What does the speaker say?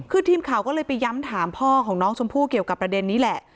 คือทีมข่าวก็เลยไปย้ำถามพ่อของน้องชมพู่เกี่ยวกับประเด็นนี้แหละ